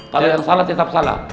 kalau yang salah tetap salah